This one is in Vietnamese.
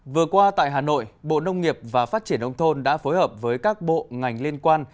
vừa qua tại hà nội bộ nông nghiệp và phát triển nông thôn đã phối hợp với các bộ ngành liên quan